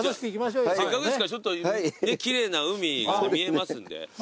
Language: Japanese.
せっかくですからちょっと奇麗な海見えますんで。